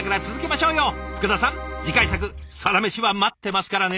深田さん次回作「サラメシ」は待ってますからね。